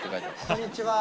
こんにちは。